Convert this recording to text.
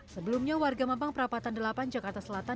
sebelumnya warga mampang perapatan delapan jakarta selatan